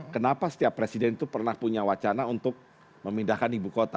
kenapa setiap presiden itu pernah punya wacana untuk memindahkan ibu kota